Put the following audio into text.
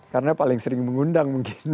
karena pak leng sering mengundang mungkin